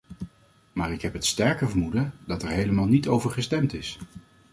Maar ik heb het sterke vermoeden, dat er helemaal niet over gestemd is.